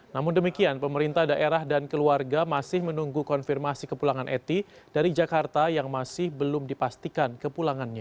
namun demikian pemerintah daerah dan keluarga masih menunggu konfirmasi kepulangan eti dari jakarta yang masih belum dipastikan kepulangannya